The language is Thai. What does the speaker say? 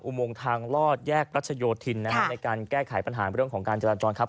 อุโมงทางลอดแยกรัชโยธินในการแก้ไขปัญหาในเรื่องของการจรรย์จรณ์ครับ